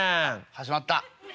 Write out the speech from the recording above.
「始まった」。